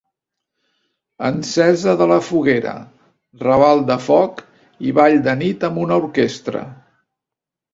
Encesa de la foguera, raval de foc i Ball de nit amb una orquestra.